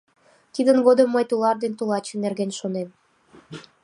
Тидын годым мый тулар ден тулаче нерген шонем.